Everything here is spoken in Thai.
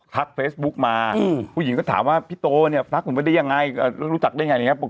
ทักเฟซบุ๊กมาผู้หญิงก็ถามว่าพี่โตเนี่ยทักหนูได้ยังไงรู้จักได้ยังไง